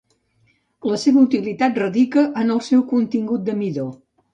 La seva utilitat radica en el seu contingut de midó.